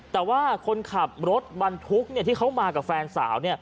แต่ว่าคนขับรถบรรทุกที่เขามากับแฟนสาว